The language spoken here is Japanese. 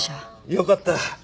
よかった。